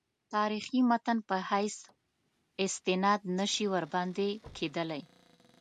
تاریخي متن په حیث استناد نه شي ورباندې کېدلای.